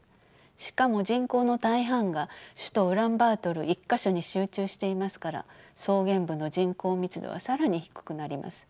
しかも人口の大半が首都ウランバートル一か所に集中していますから草原部の人口密度は更に低くなります。